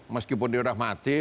meskipun dia udah mati